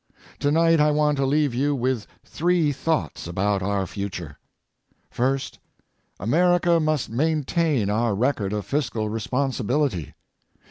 Tonight I want to leave you with three thoughts about our future. First, America must maintain our record of fiscal responsibility.